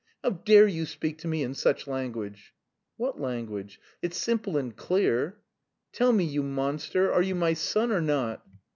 "How dare you speak to me in such language?" "What language? It's simple and clear." "Tell me, you monster, are you my son or not?"